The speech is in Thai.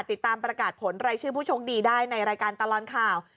ติดตามประกาศผลรายชื่อผู้โชคดีได้ในรายการตลอดข่าว